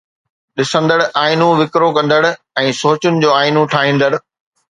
ڏسندڙ آئينو وڪرو ڪندڙ ۽ سوچڻ جو آئينو ٺاهيندڙ